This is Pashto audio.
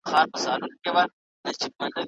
لغتونه به پراخ شي.